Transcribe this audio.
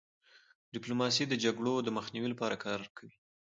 ډيپلوماسي د جګړو د مخنیوي لپاره کار کوي.